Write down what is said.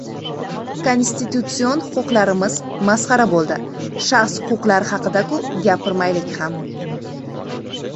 Konstitutsion huquqlarimiz masxara bo‘ldi, shaxs huquqlari haqida-ku gapirmaylik ham.